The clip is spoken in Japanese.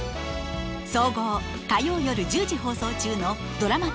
総合火曜夜１０時放送中のドラマ１０